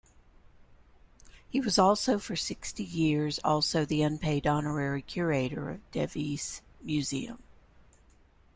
He was also for sixty years also the unpaid honorary curator of Devizes Museum.